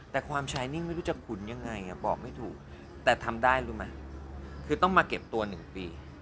แต่ความชายนิ่งไม่รู้จะขุนยังไงบอกไม่ถูกแต่ทำได้รู้ไหมคือต้องมาเก็บตัว๑ปี